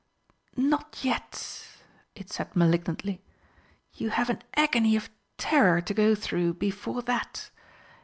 "Not yet," it said malignantly. "You have an agony of terror to go through before that.